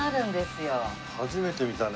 初めて見たね。